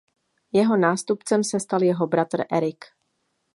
Jeho nástupcem se stal jeho bratr Erik.